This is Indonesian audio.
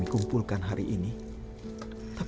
tapi dia menjahat langsung yang kita pasukan